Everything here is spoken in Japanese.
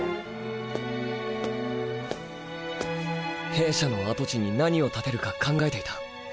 兵舎の跡地に何を建てるか考えていた。